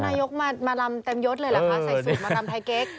นายกมารำเต็มยดเลยเหรอคะใส่สูตรมารำไทยเก๊ก